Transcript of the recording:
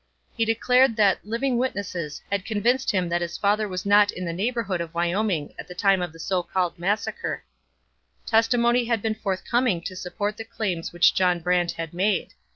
He declared that 'living witnesses' had convinced him that his father was not in the neighbourhood of Wyoming at the time of the so called massacre; testimony has been forthcoming to support the claims which John Brant then made.